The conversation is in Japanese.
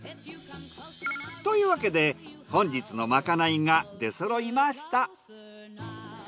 というわけで本日のまかないが出そろいました。